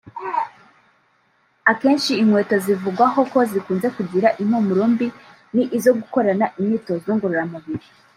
Akenshi inkweto zivugwaho ko zikunze kugira impumuro mbi ni izo gukorana imyitozo ngororamubiri